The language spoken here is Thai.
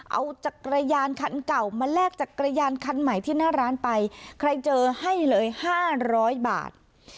เอาจักรยานคันเก่ามาแลกจักรยานคันใหม่ที่หน้าร้านไปใครเจอให้เลย๕๐๐บาท